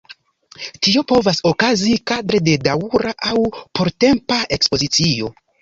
Tio povas okazi kadre de daŭra aŭ portempa ekspozicio.